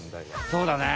そうだね。